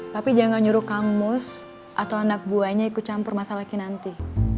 papi jangan nyuruh kang mus atau anak buahnya ikut campur masalah kinanti